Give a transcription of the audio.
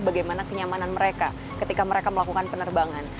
bagaimana kenyamanan mereka ketika mereka melakukan penerbangan